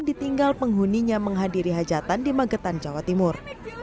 ditinggal penghuninya menghadiri hajatan di magetan jawa timur